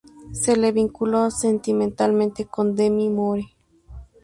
Se le vinculó sentimentalmente con Demi Moore.